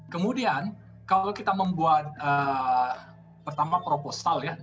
kemudian kalau kita membuat pertama proposal ya